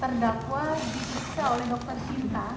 terdakwa diiksa oleh dokter cinta